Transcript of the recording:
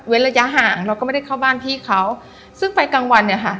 ระยะห่างเราก็ไม่ได้เข้าบ้านพี่เขาซึ่งไฟกลางวันเนี่ยค่ะ